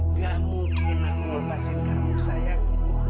nggak mungkin aku melepaskan kamu sayang